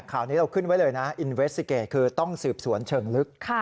คราวนี้เราขึ้นไว้เลยคือต้องสืบสวนเฉิงลึก